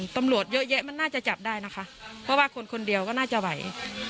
ตำรวจเยอะแยะมันน่าจะจับได้นะคะเพราะว่าคนคนเดียวก็น่าจะไหว